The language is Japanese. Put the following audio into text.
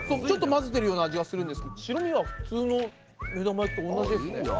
ちょっと混ぜてるような味がするんですけど白身は普通の目玉焼きと同じですね。